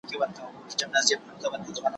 لږ مي درکه، خوند ئې درکه.